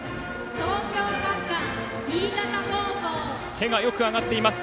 手がよく上がっています。